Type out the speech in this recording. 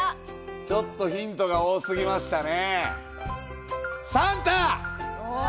ちょっとヒントが多すぎましたね。